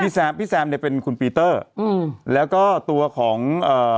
แซมพี่แซมเนี่ยเป็นคุณปีเตอร์อืมแล้วก็ตัวของเอ่อ